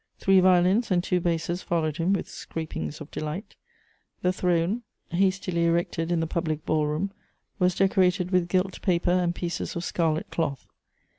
Three violins and two basses followed him with scrapings of delight The throne, hastily erected in the public ball room, was decorated with gilt paper and pieces of scarlet cloth.